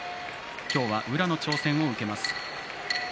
今日は宇良の挑戦を受けます。